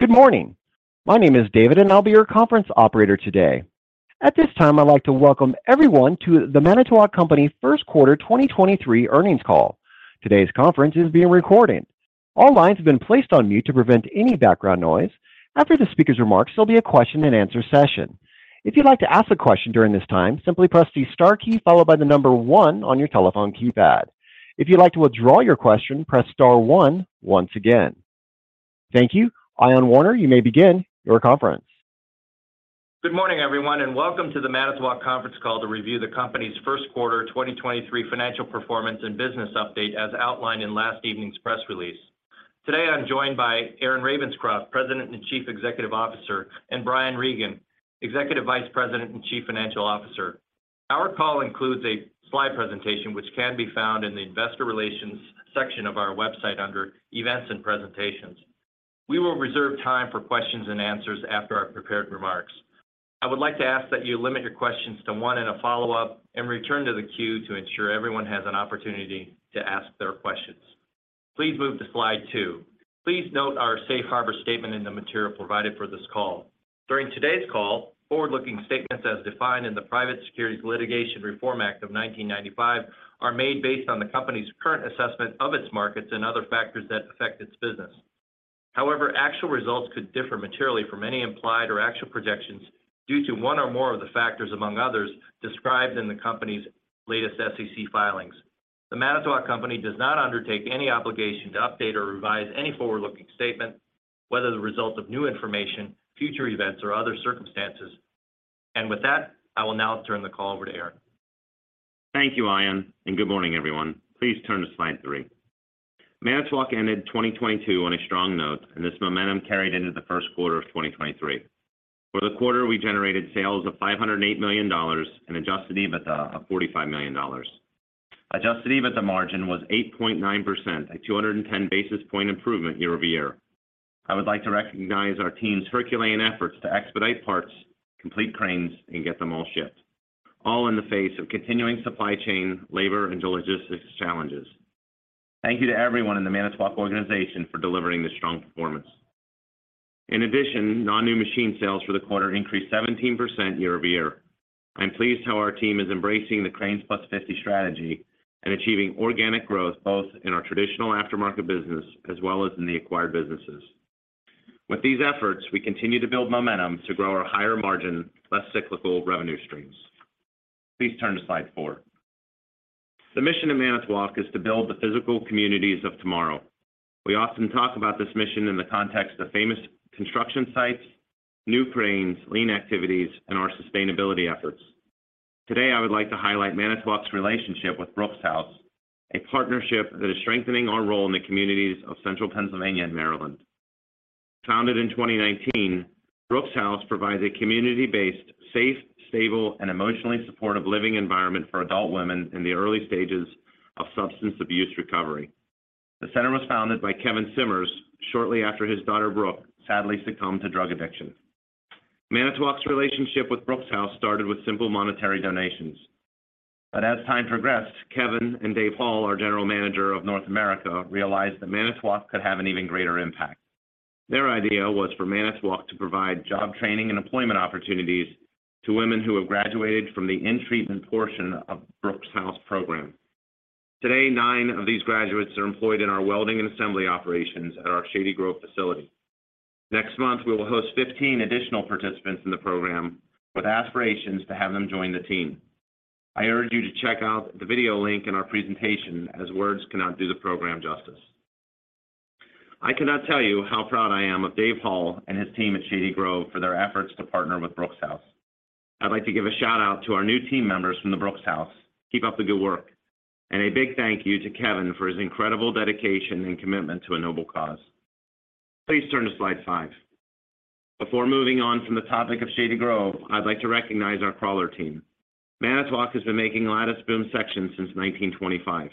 Good morning. My name is David, and I'll be your conference operator today. At this time, I'd like to welcome everyone to the Manitowoc Company First Quarter 2023 Earnings Call. Today's conference is being recorded. All lines have been placed on mute to prevent any background noise. After the speaker's remarks, there'll be a question-and-answer session. If you'd like to ask a question during this time, simply press the star key followed by the number one on your telephone keypad. If you'd like to withdraw your question, press star one once again. Thank you. Ion Warner, you may begin your conference. Good morning, everyone, welcome to the Manitowoc conference call to review the company's first quarter 2023 financial performance and business update as outlined in last evening's press release. Today, I'm joined by Aaron Ravenscroft, President and Chief Executive Officer, and Brian Regan, Executive Vice President and Chief Financial Officer. Our call includes a slide presentation which can be found in the Investor Relations section of our website under Events and Presentations. We will reserve time for questions and answers after our prepared remarks. I would like to ask that you limit your questions to one and a follow-up and return to the queue to ensure everyone has an opportunity to ask their questions. Please move to slide two. Please note our safe harbor statement in the material provided for this call. During today's call, forward-looking statements as defined in the Private Securities Litigation Reform Act of 1995 are made based on the company's current assessment of its markets and other factors that affect its business. However, actual results could differ materially from any implied or actual projections due to one or more of the factors, among others, described in the company's latest SEC filings. The Manitowoc Company does not undertake any obligation to update or revise any forward-looking statement, whether the result of new information, future events, or other circumstances. With that, I will now turn the call over to Aaron. Thank you, Ion. Good morning, everyone. Please turn to slide three. Manitowoc ended 2022 on a strong note. This momentum carried into the first quarter of 2023. For the quarter, we generated sales of $508 million and adjusted EBITDA of $45 million. Adjusted EBITDA margin was 8.9%, a 210 basis point improvement year-over-year. I would like to recognize our team's Herculean efforts to expedite parts, complete cranes, and get them all shipped, all in the face of continuing supply chain, labor, and logistics challenges. Thank you to everyone in the Manitowoc organization for delivering this strong performance. In addition, non-new machine sales for the quarter increased 17% year-over-year. I'm pleased how our team is embracing the CRANES+50 strategy and achieving organic growth both in our traditional aftermarket business as well as in the acquired businesses. With these efforts, we continue to build momentum to grow our higher margin, less cyclical revenue streams. Please turn to slide four. The mission of Manitowoc is to build the physical communities of tomorrow. We often talk about this mission in the context of famous construction sites, new cranes, lean activities, and our sustainability efforts. Today, I would like to highlight Manitowoc's relationship with Brooke's House, a partnership that is strengthening our role in the communities of Central Pennsylvania and Maryland. Founded in 2019, Brooke's House provides a community-based, safe, stable, and emotionally supportive living environment for adult women in the early stages of substance abuse recovery. The center was founded by Kevin Simmers shortly after his daughter, Brooke, sadly succumbed to drug addiction. Manitowoc's relationship with Brooke's House started with simple monetary donations. As time progressed, Kevin and Dave Hull, our General Manager of North America, realized that Manitowoc could have an even greater impact. Their idea was for Manitowoc to provide job training and employment opportunities to women who have graduated from the in-treatment portion of Brooke's House program. Today, nine of these graduates are employed in our welding and assembly operations at our Shady Grove facility. Next month, we will host 15 additional participants in the program with aspirations to have them join the team. I urge you to check out the video link in our presentation as words cannot do the program justice. I cannot tell you how proud I am of Dave Hull and his team at Shady Grove for their efforts to partner with Brooke's House. I'd like to give a shout-out to our new team members from the Brooke's House. Keep up the good work. A big thank you to Kevin for his incredible dedication and commitment to a noble cause. Please turn to slide five. Before moving on from the topic of Shady Grove, I'd like to recognize our crawler team. Manitowoc has been making lattice boom sections since 1925.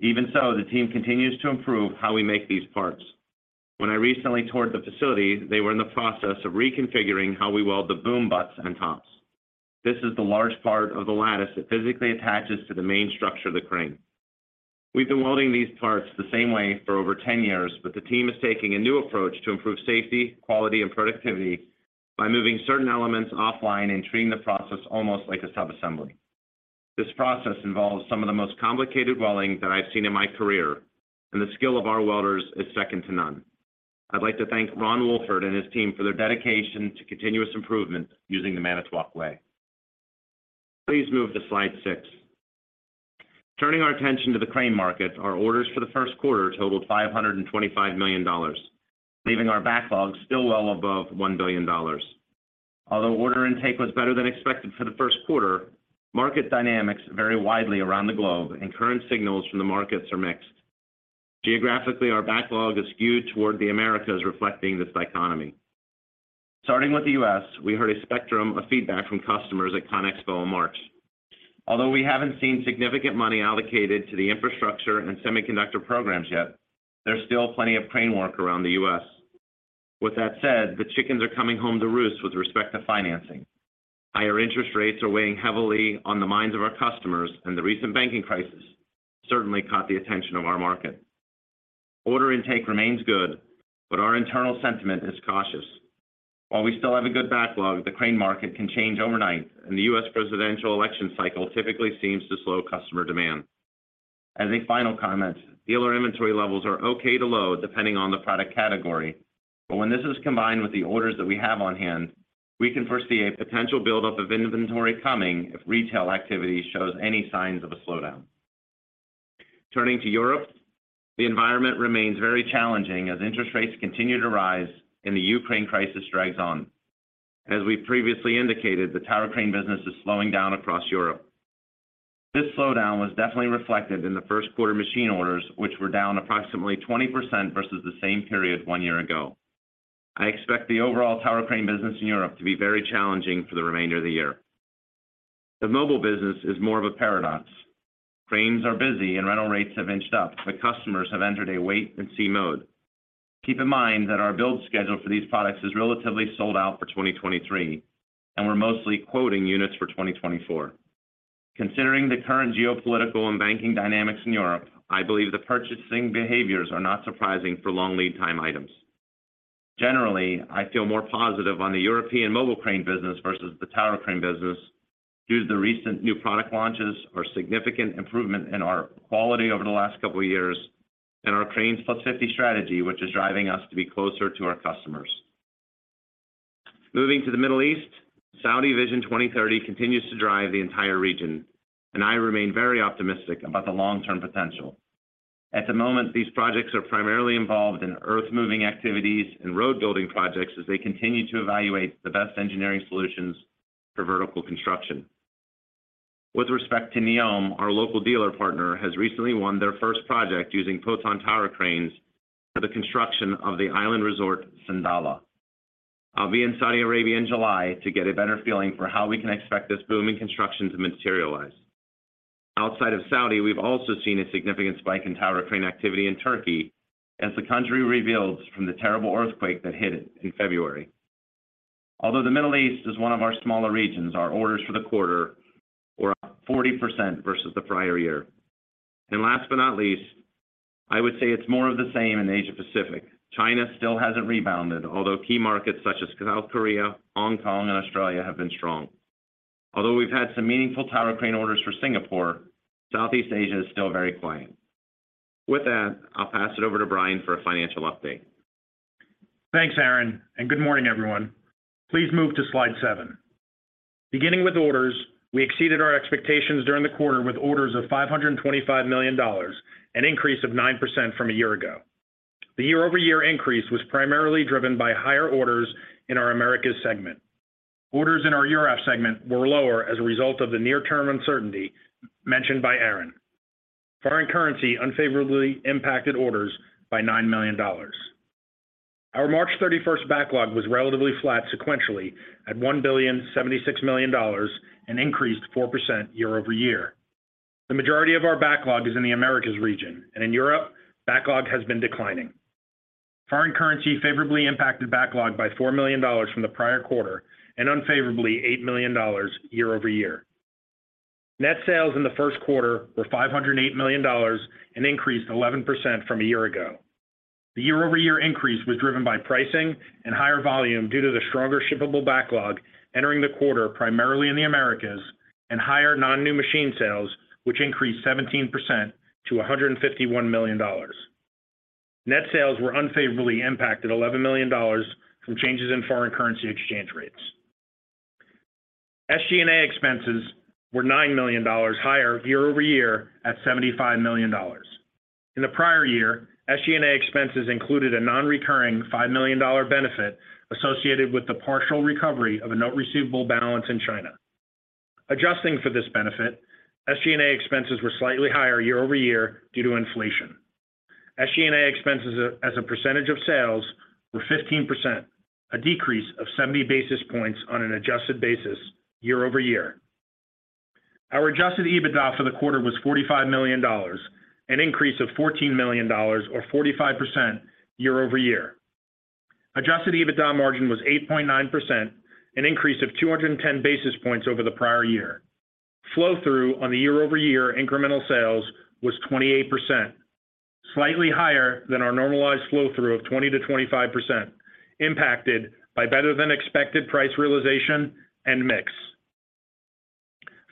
Even so, the team continues to improve how we make these parts. When I recently toured the facility, they were in the process of reconfiguring how we weld the boom butts and tops. This is the large part of the lattice that physically attaches to the main structure of the crane. We've been welding these parts the same way for over 10 years, the team is taking a new approach to improve safety, quality, and productivity by moving certain elements offline and treating the process almost like a sub-assembly. This process involves some of the most complicated welding that I've seen in my career, the skill of our welders is second to none. I'd like to thank Ron Wolford and his team for their dedication to continuous improvement using The Manitowoc Way. Please move to slide six. Turning our attention to the crane market, our orders for the first quarter totaled $525 million, leaving our backlog still well above $1 billion. Although order intake was better than expected for the first quarter, market dynamics vary widely around the globe, current signals from the markets are mixed. Geographically, our backlog is skewed toward the Americas, reflecting this dichotomy. Starting with the U.S., we heard a spectrum of feedback from customers at CONEXPO in March. Although we haven't seen significant money allocated to the infrastructure and semiconductor programs yet, there's still plenty of crane work around the U.S. With that said, the chickens are coming home to roost with respect to financing. Higher interest rates are weighing heavily on the minds of our customers, and the recent banking crisis certainly caught the attention of our market. Order intake remains good, but our internal sentiment is cautious. While we still have a good backlog, the crane market can change overnight, and the U.S. presidential election cycle typically seems to slow customer demand. As a final comment, dealer inventory levels are okay to low depending on the product category. When this is combined with the orders that we have on hand, we can foresee a potential buildup of inventory coming if retail activity shows any signs of a slowdown. Turning to Europe, the environment remains very challenging as interest rates continue to rise and the Ukraine crisis drags on. As we previously indicated, the tower crane business is slowing down across Europe. This slowdown was definitely reflected in the first quarter machine orders, which were down approximately 20% versus the same period one year ago. I expect the overall tower crane business in Europe to be very challenging for the remainder of the year. The mobile business is more of a paradox. Cranes are busy and rental rates have inched up, but customers have entered a wait and see mode. Keep in mind that our build schedule for these products is relatively sold out for 2023, and we're mostly quoting units for 2024. Considering the current geopolitical and banking dynamics in Europe, I believe the purchasing behaviors are not surprising for long lead time items. Generally, I feel more positive on the European mobile crane business versus the tower crane business due to the recent new product launches or significant improvement in our quality over the last couple of years in our CRANES+50 strategy, which is driving us to be closer to our customers. Moving to the Middle East, Saudi Vision 2030 continues to drive the entire region, and I remain very optimistic about the long-term potential. At the moment, these projects are primarily involved in earth-moving activities and road building projects as they continue to evaluate the best engineering solutions for vertical construction. With respect to Neom, our local dealer partner has recently won their first project using Potain tower cranes for the construction of the island resort, Sindalah. I'll be in Saudi Arabia in July to get a better feeling for how we can expect this booming construction to materialize. Outside of Saudi, we've also seen a significant spike in tower crane activity in Turkey as the country rebuilds from the terrible earthquake that hit it in February. Although the Middle East is one of our smaller regions, our orders for the quarter were up 40% versus the prior year. Last but not least, I would say it's more of the same in Asia-Pacific. China still hasn't rebounded, although key markets such as South Korea, Hong Kong, and Australia have been strong. Although we've had some meaningful tower crane orders for Singapore, Southeast Asia is still very quiet. With that, I'll pass it over to Brian for a financial update. Thanks, Aaron, and good morning, everyone. Please move to slide seven. Beginning with orders, we exceeded our expectations during the quarter with orders of $525 million, an increase of 9% from a year ago. The year-over-year increase was primarily driven by higher orders in our Americas segment. Orders in our Europe segment were lower as a result of the near-term uncertainty mentioned by Aaron. Foreign currency unfavorably impacted orders by $9 million. Our March 31st backlog was relatively flat sequentially at $1,076 million and increased 4% year-over-year. The majority of our backlog is in the Americas region, and in Europe, backlog has been declining. Foreign currency favorably impacted backlog by $4 million from the prior quarter and unfavorably $8 million year-over-year. Net sales in the first quarter were $508 million, an increase 11% from a year ago. The year-over-year increase was driven by pricing and higher volume due to the stronger shippable backlog entering the quarter primarily in the Americas and higher non-new machine sales, which increased 17% to $151 million. Net sales were unfavorably impacted $11 million from changes in foreign currency exchange rates. SG&A expenses were $9 million higher year-over-year at $75 million. In the prior year, SG&A expenses included a non-recurring $5 million benefit associated with the partial recovery of a note receivable balance in China. Adjusting for this benefit, SG&A expenses were slightly higher year-over-year due to inflation. SG&A expenses as a percentage of sales were 15%, a decrease of 70 basis points on an adjusted basis year-over-year. Our adjusted EBITDA for the quarter was $45 million, an increase of $14 million or 45% year-over-year. Adjusted EBITDA margin was 8.9%, an increase of 210 basis points over the prior year. Flow-through on the year-over-year incremental sales was 28%, slightly higher than our normalized flow-through of 20%-25%, impacted by better than expected price realization and mix.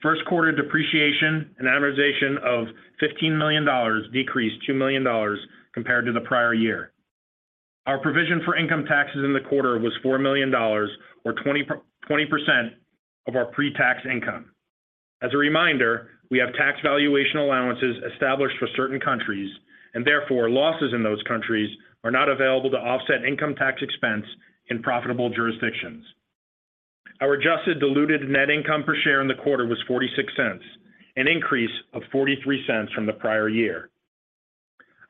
First quarter depreciation and amortization of $15 million decreased $2 million compared to the prior year. Our provision for income taxes in the quarter was $4 million or 20% of our pre-tax income. As a reminder, we have tax valuation allowances established for certain countries. Therefore, losses in those countries are not available to offset income tax expense in profitable jurisdictions. Our adjusted diluted net income per share in the quarter was $0.46, an increase of $0.43 from the prior year.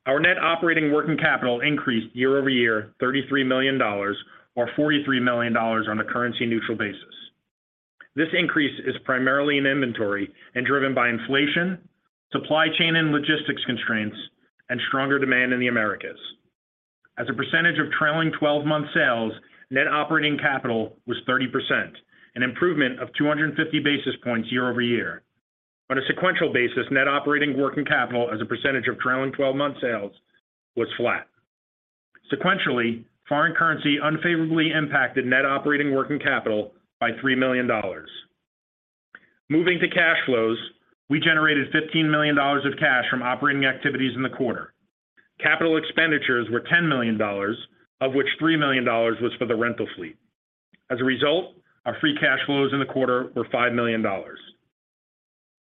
Our net operating working capital increased year-over-year $33 million or $43 million on a currency-neutral basis. This increase is primarily in inventory and driven by inflation, supply chain and logistics constraints, and stronger demand in the Americas. As a percentage of trailing twelve-month sales, net operating capital was 30%, an improvement of 250 basis points year-over-year. On a sequential basis, net operating working capital as a percentage of trailing twelve-month sales was flat. Sequentially, foreign currency unfavorably impacted net operating working capital by $3 million. Moving to cash flows, we generated $15 million of cash from operating activities in the quarter. Capital expenditures were $10 million, of which $3 million was for the rental fleet. As a result, our free cash flows in the quarter were $5 million.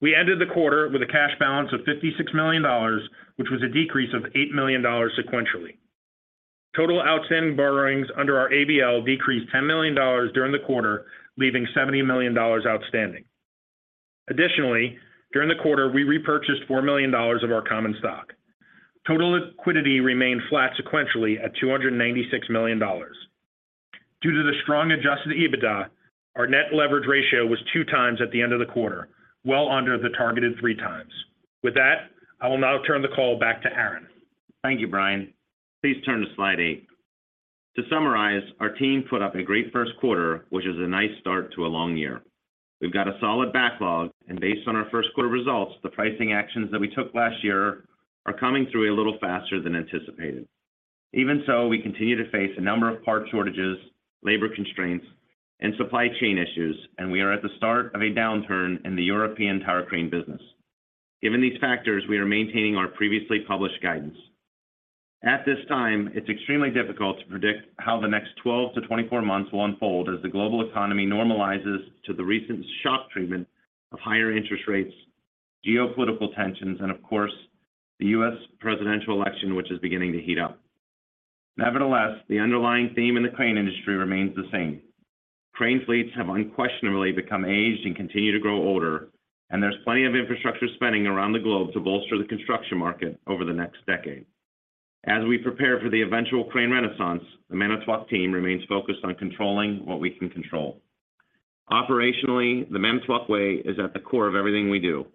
We ended the quarter with a cash balance of $56 million, which was a decrease of $8 million sequentially. Total outstanding borrowings under our ABL decreased $10 million during the quarter, leaving $70 million outstanding. During the quarter, we repurchased $4 million of our common stock. Total liquidity remained flat sequentially at $296 million. Due to the strong adjusted EBITDA, our net leverage ratio was 2x at the end of the quarter, well under the targeted 3x. With that, I will now turn the call back to Aaron. Thank you, Brian. Please turn to slide eight. To summarize, our team put up a great first quarter, which is a nice start to a long year. We've got a solid backlog. Based on our first quarter results, the pricing actions that we took last year are coming through a little faster than anticipated. Even so, we continue to face a number of part shortages, labor constraints, and supply chain issues, and we are at the start of a downturn in the European tower crane business. Given these factors, we are maintaining our previously published guidance. At this time, it's extremely difficult to predict how the next 12 to 24 months will unfold as the global economy normalizes to the recent shock treatment of higher interest rates, geopolitical tensions, and of course, the U.S. presidential election, which is beginning to heat up. Nevertheless, the underlying theme in the crane industry remains the same. Cranes fleets have unquestionably become aged and continue to grow older, and there's plenty of infrastructure spending around the globe to bolster the construction market over the next decade. As we prepare for the eventual crane renaissance, the Manitowoc team remains focused on controlling what we can control. Operationally, The Manitowoc Way is at the core of everything we do.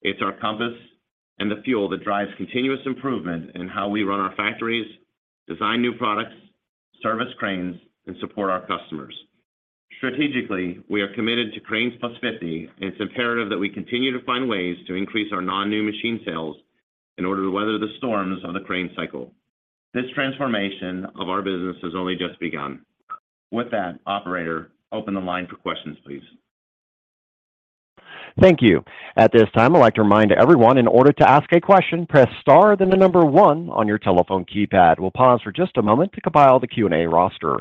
It's our compass and the fuel that drives continuous improvement in how we run our factories, design new products, service cranes, and support our customers. Strategically, we are committed to CRANES+50, and it's imperative that we continue to find ways to increase our non-new machine sales in order to weather the storms on the crane cycle. This transformation of our business has only just begun. With that, operator, open the line for questions, please. Thank you. At this time, I'd like to remind everyone in order to ask a question, press star then one on your telephone keypad. We'll pause for just a moment to compile the Q&A roster.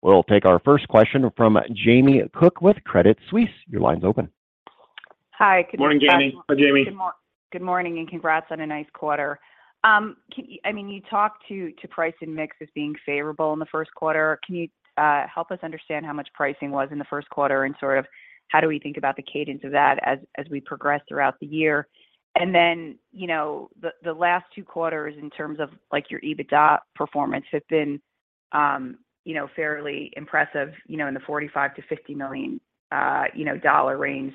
We'll take our first question from Jamie Cook with Credit Suisse. Your line's open. Hi. Morning, Jamie. Hi, Jamie. Good morning. Congrats on a nice quarter. I mean, you talked to price and mix as being favorable in the first quarter. Can you help us understand how much pricing was in the first quarter and sort of how do we think about the cadence of that as we progress throughout the year? You know, the last two quarters in terms of like your EBITDA performance have been, you know, fairly impressive, you know, in the $45 million-$50 million dollar range.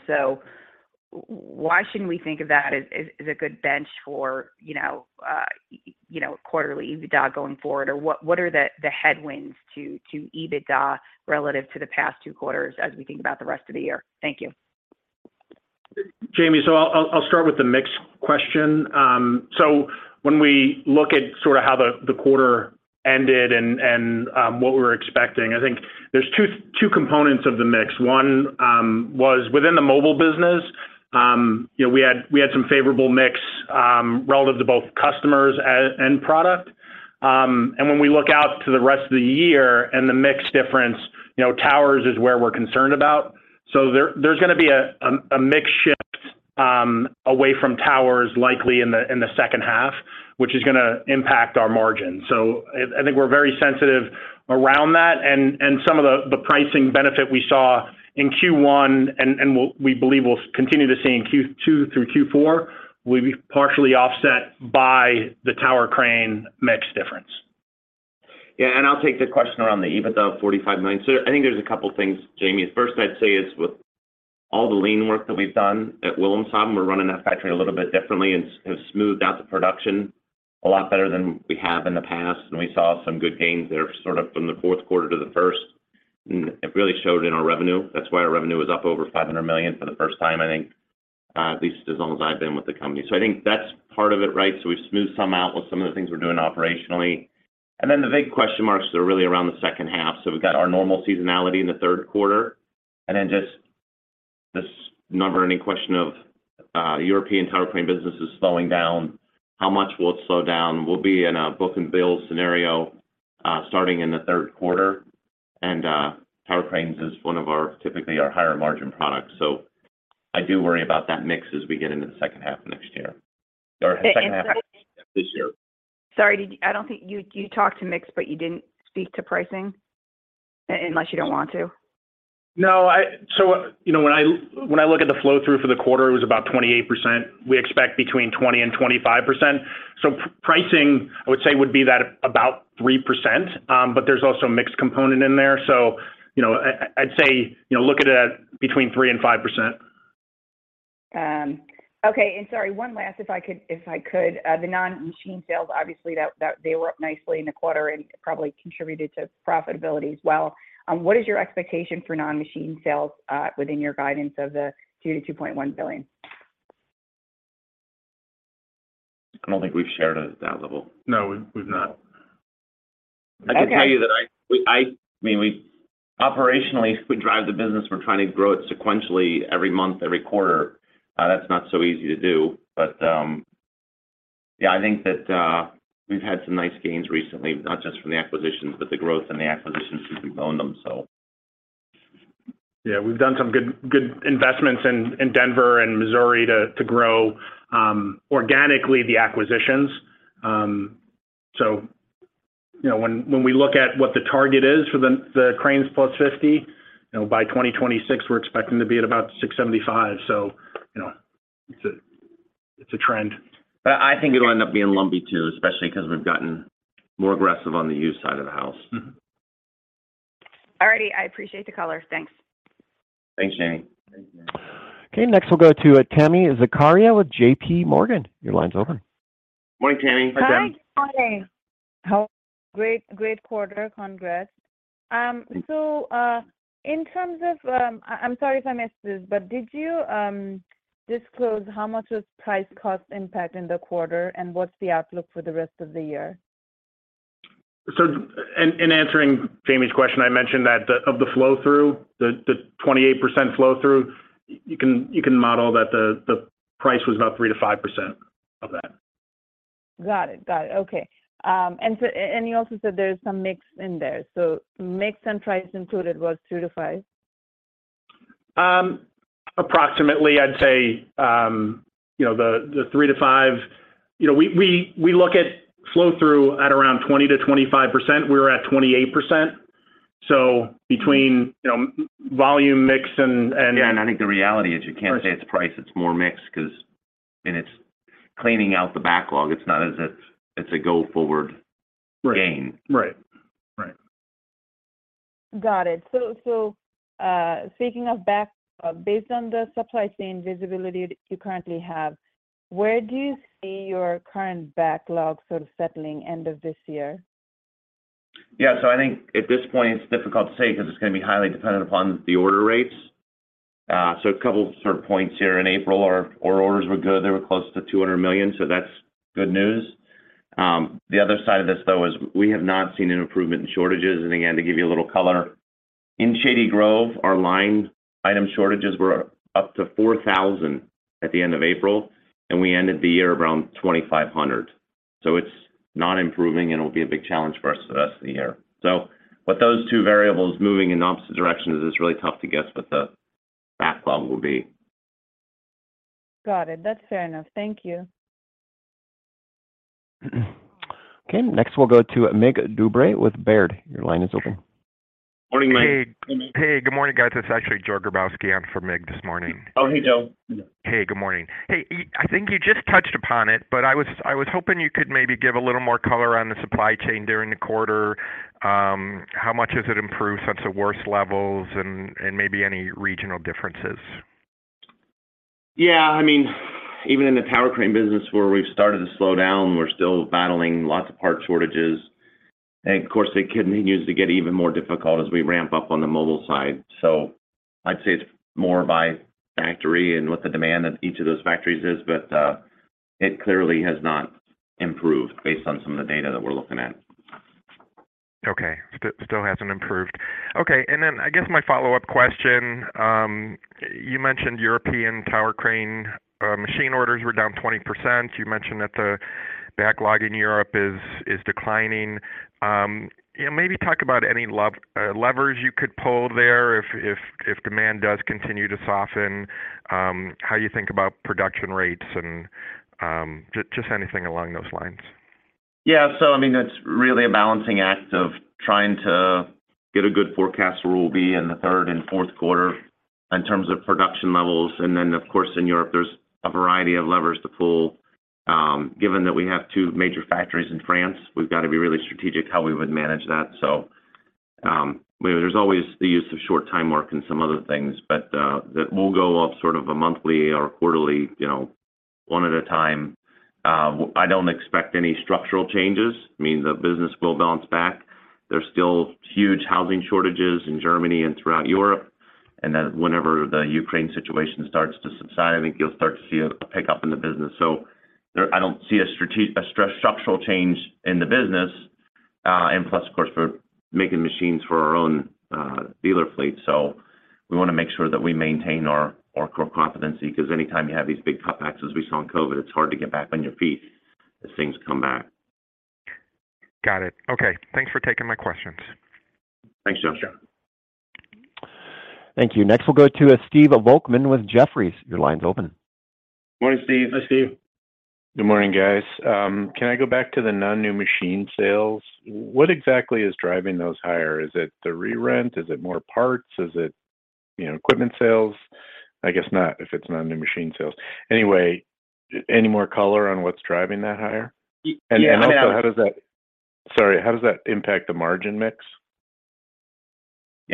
Why shouldn't we think of that as a good bench for, you know, quarterly EBITDA going forward? What are the headwinds to EBITDA relative to the past two quarters as we think about the rest of the year? Thank you. Jamie, I'll start with the mix question. When we look at sort of how the quarter ended and what we're expecting, I think there's two components of the mix. One was within the mobile business, you know, we had some favorable mix relative to both customers and product. When we look out to the rest of the year and the mix difference, you know, towers is where we're concerned about. There's gonna be a mix shift away from towers likely in the second half, which is gonna impact our margin. I think we're very sensitive around that and some of the pricing benefit we saw in Q1 and we believe we'll continue to see in Q2 through Q4, will be partially offset by the tower crane mix difference. Yeah, I'll take the question around the EBITDA of $45 million. I think there's a couple things, Jamie. First, I'd say is with all the lean work that we've done at Wilhelmshaven, we're running that factory a little bit differently and have smoothed out the production a lot better than we have in the past. We saw some good gains there sort of from the fourth quarter to the first. It really showed in our revenue. That's why our revenue was up over $500 million for the first time, I think, at least as long as I've been with the company. I think that's part of it, right? We've smoothed some out with some of the things we're doing operationally. The big question marks are really around the second half. We've got our normal seasonality in the third quarter, and then just this number and a question of European tower crane business is slowing down. How much will it slow down? We'll be in a book and build scenario, starting in the third quarter. Tower cranes is one of our typically our higher margin products. I do worry about that mix as we get into the second half of next year or the second half. And- of this year. I don't think you talked to mix, but you didn't speak to pricing unless you don't want to. No. You know, when I, when I look at the flow through for the quarter, it was about 28%. We expect between 20%-25%. Pricing, I would say, would be that about 3%, but there's also a mix component in there. You know, I'd say, you know, look at it at between 3%-5%. Okay. Sorry, one last if I could. The non-machine sales, obviously that they were up nicely in the quarter and probably contributed to profitability as well. What is your expectation for non-machine sales within your guidance of the $2 billion-$2.1 billion? I don't think we've shared it at that level. No, we've not. Okay. I can tell you that I mean, we operationally, we drive the business. We're trying to grow it sequentially every month, every quarter. That's not so easy to do. Yeah, I think that we've had some nice gains recently, not just from the acquisitions, but the growth and the acquisitions since we've owned them, so. Yeah, we've done some good investments in Denver and Missouri to grow organically the acquisitions. You know, when we look at what the target is for the CRANES+50, you know, by 2026 we're expecting to be at about 675. You know, it's a trend. I think it'll end up being lumpy too, especially because we've gotten more aggressive on the used side of the house. Mm-hmm. All righty. I appreciate the color. Thanks. Thanks, Jamie. Thanks, Jamie. Okay, next we'll go to Tami Zakaria with J.P. Morgan. Your line's open. Morning, Tami. Hi, Tami. Hi. Good morning. Great quarter. Congrats. In terms of... I'm sorry if I missed this, did you disclose how much was price cost impact in the quarter, and what's the outlook for the rest of the year? In answering Jamie's question, I mentioned that of the flow through, the 28% flow through, you can model that the price was about 3%-5% of that. Got it. Got it. Okay. You also said there's some mix in there. Mix and price included was 2-5? Approximately I'd say, you know, the 3%-5%. You know, we look at flow through at around 20%-25%. We were at 28%, so between you know, volume mix and. Yeah, I think the reality is you can't say it's price, it's more mix because, and it's cleaning out the backlog. It's not as if it's a go forward gain. Right. Right. Right. Got it. Speaking of back, based on the supply chain visibility that you currently have, where do you see your current backlog sort of settling end of this year? Yeah. I think at this point it's difficult to say because it's gonna be highly dependent upon the order rates. A couple sort of points here. In April our orders were good. They were close to $200 million, so that's good news. The other side of this though is we have not seen an improvement in shortages. Again, to give you a little color, in Shady Grove, our line item shortages were up to 4,000 at the end of April, and we ended the year around 2,500. It's not improving, and it'll be a big challenge for us the rest of the year. With those two variables moving in opposite directions, it's really tough to guess what the backlog will be. Got it. That's fair enough. Thank you. Okay, next we'll go to Mig Dobre with Baird. Your line is open. Morning, Mig. Hey, Mig. Hey. Good morning, guys. It's actually Joe Grabowski. I'm for Mig this morning. Oh, hey, Joe. Hey, good morning. Hey, you I think you just touched upon it, but I was hoping you could maybe give a little more color on the supply chain during the quarter. How much has it improved since the worst levels and maybe any regional differences? Yeah. I mean, even in the tower crane business where we've started to slow down, we're still battling lots of parts shortages. Of course, it continues to get even more difficult as we ramp up on the mobile side. I'd say it's more by factory and what the demand of each of those factories is, but it clearly has not improved based on some of the data that we're looking at. Okay. Still hasn't improved. Okay. I guess my follow-up question, you mentioned European tower crane machine orders were down 20%. You mentioned that the backlog in Europe is declining. You know, maybe talk about any levers you could pull there if demand does continue to soften, how you think about production rates and just anything along those lines. I mean, that's really a balancing act of trying to get a good forecast for where we'll be in the third and fourth quarter in terms of production levels. Of course in Europe there's a variety of levers to pull. Given that we have two major factories in France, we've got to be really strategic how we would manage that. There's always the use of short-time work and some other things. That we'll go off sort of a monthly or quarterly, you know, one at a time. I don't expect any structural changes, meaning the business will bounce back. There's still huge housing shortages in Germany and throughout Europe. Whenever the Ukraine situation starts to subside, I think you'll start to see a pickup in the business. There I don't see a structural change in the business. Plus of course we're making machines for our own dealer fleet, so we wanna make sure that we maintain our core competency. 'Cause anytime you have these big cutbacks as we saw in COVID, it's hard to get back on your feet as things come back. Got it. Okay. Thanks for taking my questions. Thanks, Joe. Thank you. Next we'll go to Stephen Volkmann with Jefferies. Your line's open. Morning, Steve. Hi, Steve. Good morning, guys. Can I go back to the non-new machine sales? What exactly is driving those higher? Is it the re-rent? Is it more parts? Is it, you know, equipment sales? I guess not if it's non-new machine sales. Any more color on what's driving that higher? Yeah, I know. Also how does that impact the margin mix?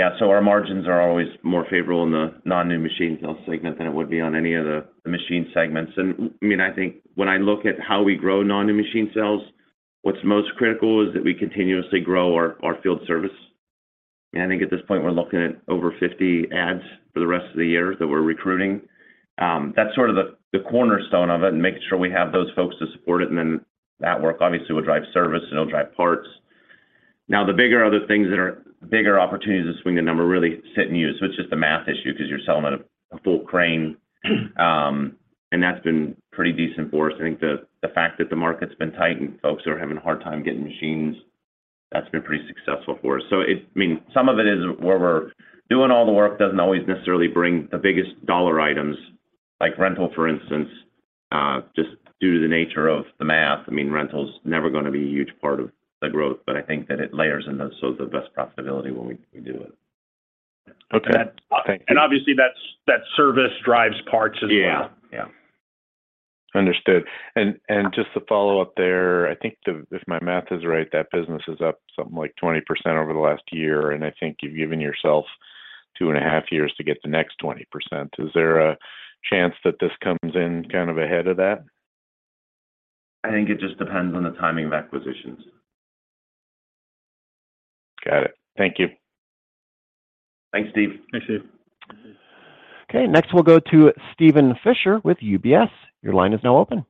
Our margins are always more favorable in the non-new machine sales segment than it would be on any of the machine segments. I mean, I think when I look at how we grow non-new machine sales, what's most critical is that we continuously grow our field service. I think at this point, we're looking at over 50 adds for the rest of the year that we're recruiting. That's sort of the cornerstone of it and making sure we have those folks to support it, and then that work obviously will drive service and it'll drive parts. The bigger other things that are bigger opportunities to swing the number really sit in used, so it's just a math issue because you're selling at a full crane. And that's been pretty decent for us. I think the fact that the market's been tight and folks are having a hard time getting machines, that's been pretty successful for us. I mean, some of it is where we're doing all the work doesn't always necessarily bring the biggest dollar items like rental, for instance, just due to the nature of the math. I mean, rental's never gonna be a huge part of the growth, but I think that it layers in those, so it's the best profitability when we do it. Okay. Thank you. Obviously, that's, that service drives parts as well. Yeah. Yeah. Understood. Just to follow up there, I think, if my math is right, that business is up something like 20% over the last year, and I think you've given yourself two and a half years to get the next 20%. Is there a chance that this comes in kind of ahead of that? I think it just depends on the timing of acquisitions. Got it. Thank you. Thanks, Steve. Thanks, Steve. Next we'll go to Steven Fisher with UBS. Your line is now open.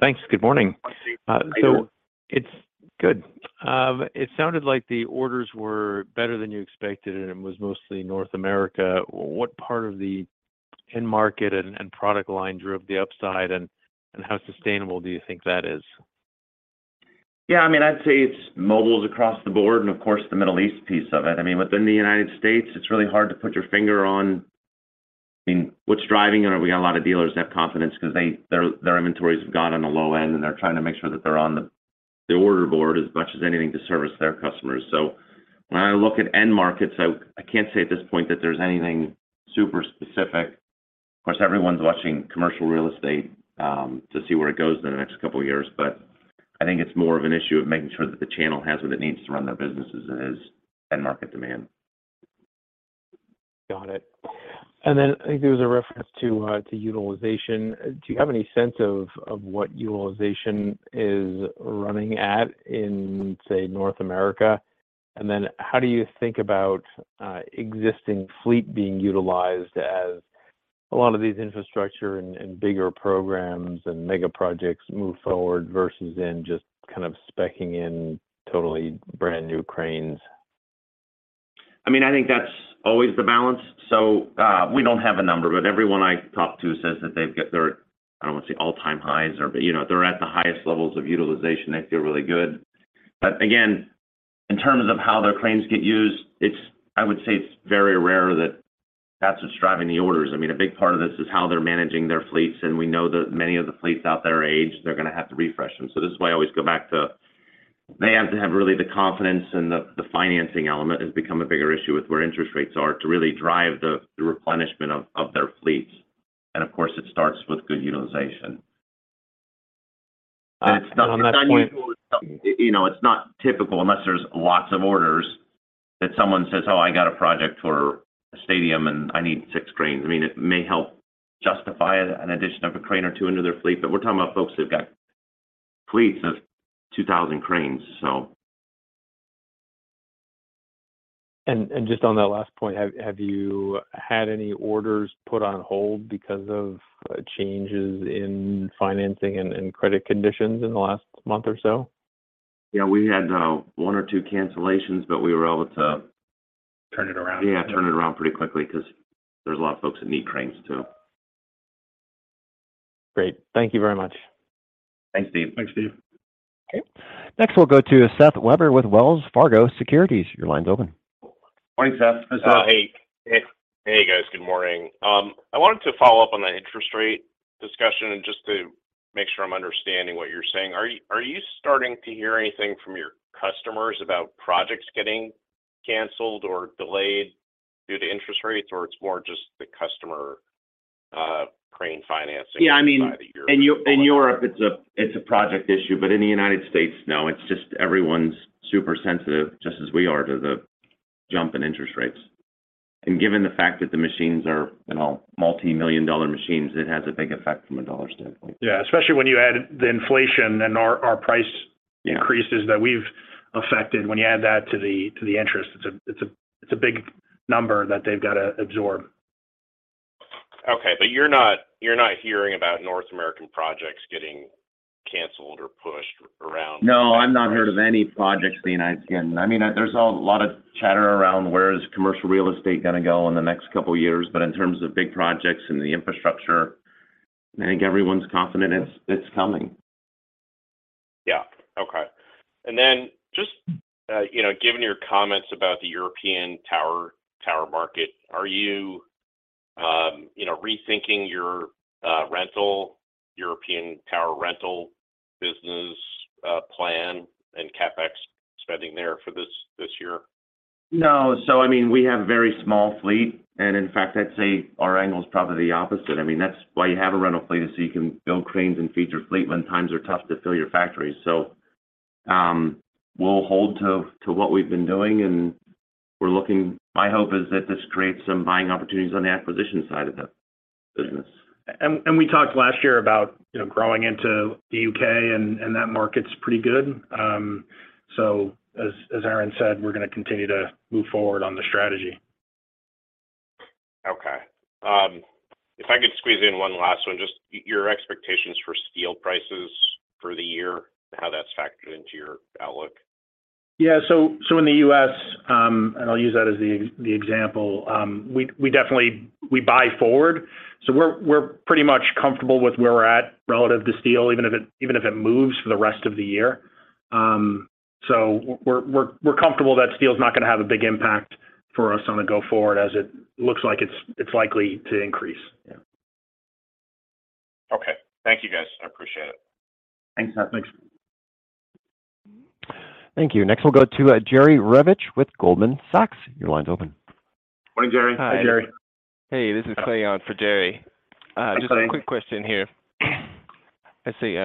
Thanks. Good morning. Hi, Steve. How are you? It's good. It sounded like the orders were better than you expected, and it was mostly North America. What part of the end market and product line drove the upside and how sustainable do you think that is? Yeah, I mean, I'd say it's mobiles across the board and of course the Middle East piece of it. I mean, within the United States, it's really hard to put your finger on, I mean, what's driving or we got a lot of dealers that have confidence because their inventories have gone on the low end and they're trying to make sure that they're on the order board as much as anything to service their customers. When I look at end markets, I can't say at this point that there's anything super specific. Of course, everyone's watching commercial real estate to see where it goes in the next couple of years. I think it's more of an issue of making sure that the channel has what it needs to run their businesses as end market demand. Got it. Then I think there was a reference to utilization. Do you have any sense of what utilization is running at in, say, North America? Then how do you think about existing fleet being utilized as a lot of these infrastructure and bigger programs and mega projects move forward versus in just kind of speccing in totally brand new cranes? I mean, I think that's always the balance. We don't have a number, but everyone I talk to says that they've got their, I don't want to say all-time highs or, but, you know, they're at the highest levels of utilization. They feel really good. Again, in terms of how their cranes get used, I would say it's very rare that that's what's driving the orders. I mean, a big part of this is how they're managing their fleets, and we know that many of the fleets out there are aged. They're gonna have to refresh them. This is why I always go back to they have to have really the confidence and the financing element has become a bigger issue with where interest rates are to really drive the replenishment of their fleets. Of course, it starts with good utilization. on that point- It's not unusual. You know, it's not typical unless there's lots of orders that someone says, "Oh, I got a project for a stadium and I need six cranes." I mean, it may help justify an addition of a crane or two into their fleet, but we're talking about folks that have got fleets of 2,000 cranes. Just on that last point, have you had any orders put on hold because of changes in financing and credit conditions in the last month or so? Yeah, we had, one or two cancellations, but we were able. Turn it around.... yeah, turn it around pretty quickly 'cause there's a lot of folks that need cranes too. Great. Thank you very much. Thanks, Steve. Thanks, Steve. Okay. Next we'll go to Seth Weber with Wells Fargo Securities. Your line's open. Morning, Seth. How's it going? Hey. Hey. Hey, guys. Good morning. I wanted to follow up on the interest rate discussion and just to make sure I'm understanding what you're saying. Are you starting to hear anything from your customers about projects getting canceled or delayed due to interest rates, or it's more just the customer, crane financing side that you're? Yeah, I mean.... more on? In Europe it's a, it's a project issue. In the United States, no, it's just everyone's super sensitive, just as we are, to the jump in interest rates. Given the fact that the machines are, you know, multimillion-dollar machines, it has a big effect from a dollar standpoint. Yeah, especially when you add the inflation and our price increases. Yeah that we've affected, when you add that to the interest, it's a big number that they've got to absorb. Okay. You're not hearing about North American projects getting canceled or pushed around? No, I've not heard of any projects. I mean, there's a lot of chatter around where is commercial real estate gonna go in the next couple of years. In terms of big projects and the infrastructure, I think everyone's confident it's coming. Yeah. Okay. Just, you know, given your comments about the European tower market, are you know, rethinking your rental, European tower rental business plan and CapEx spending there for this year? No. I mean, we have a very small fleet, and in fact, I'd say our angle is probably the opposite. I mean, that's why you have a rental fleet is so you can build cranes and feed your fleet when times are tough to fill your factories. We'll hold to what we've been doing, and we're looking. My hope is that this creates some buying opportunities on the acquisition side of the business. We talked last year about, you know, growing into the UK, and that market's pretty good. As Aaron said, we're gonna continue to move forward on the strategy. If I could squeeze in one last one, just your expectations for steel prices for the year and how that's factored into your outlook? Yeah. In the U.S., and I'll use that as the example, we definitely, we buy forward. We're pretty much comfortable with where we're at relative to steel, even if it moves for the rest of the year. We're comfortable that steel's not gonna have a big impact for us on the go forward as it looks like it's likely to increase. Yeah. Okay. Thank you, guys. I appreciate it. Thanks, Matt. Thanks. Thank you. Next, we'll go to Jerry Revich with Goldman Sachs. Your line's open. Morning, Jerry. Hi. Hey, Jerry. Hey, this is Clay on for Jerry. Hi, Clay. Just a quick question here. Let's see,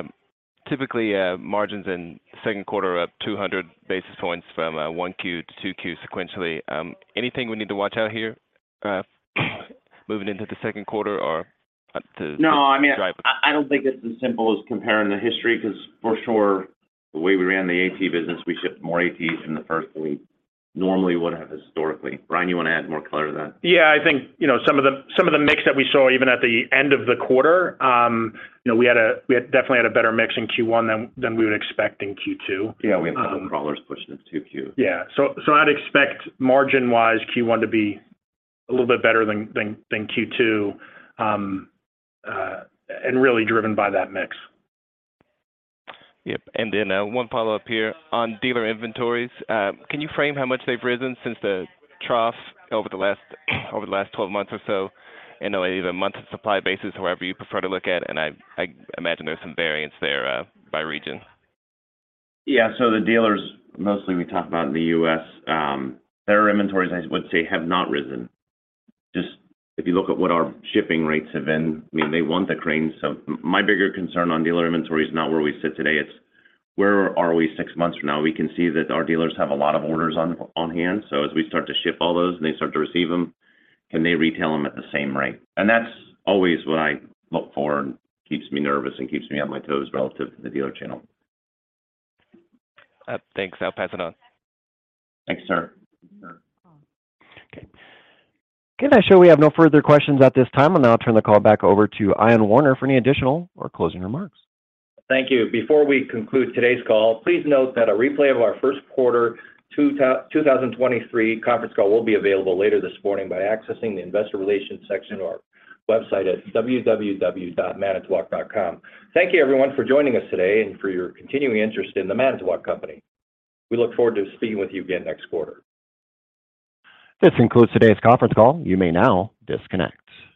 typically, margins in second quarter are up 200 basis points from 1Q to 2Q sequentially. Anything we need to watch out here, moving into the second quarter? No. -drive- I don't think it's as simple as comparing the history 'cause for sure the way we ran the AT business, we shipped more ATs in the first week normally would have historically. Brian, you wanna add more color to that? Yeah. I think, you know, some of the, some of the mix that we saw even at the end of the quarter, you know, we had definitely had a better mix in Q1 than we would expect in Q2. Yeah, we have the crawlers pushing in 2Q. Yeah. I'd expect margin-wise Q1 to be a little bit better than Q2, and really driven by that mix. Yep. One follow-up here on dealer inventories. Can you frame how much they've risen since the trough over the last 12 months or so in either months of supply basis, however you prefer to look at? I imagine there's some variance there, by region. Yeah. The dealers, mostly we talk about in the U.S., their inventories I would say have not risen. Just if you look at what our shipping rates have been, I mean, they want the cranes. My bigger concern on dealer inventory is not where we sit today, it's where are we six months from now? We can see that our dealers have a lot of orders on-hand. As we start to ship all those and they start to receive them, can they retail them at the same rate? That's always what I look for and keeps me nervous and keeps me on my toes relative to the dealer channel. Thanks. I'll pass it on. Thanks, sir. Okay. Okay. I show we have no further questions at this time. I'll now turn the call back over to Ion Warner for any additional or closing remarks. Thank you. Before we conclude today's call, please note that a replay of our first quarter 2023 conference call will be available later this morning by accessing the investor relations section of our website at www.manitowoc.com. Thank you everyone for joining us today and for your continuing interest in the Manitowoc Company. We look forward to speaking with you again next quarter. This concludes today's conference call. You may now disconnect.